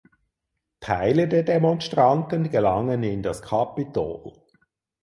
Teile der Demonstranten gelangen in das Kapitol.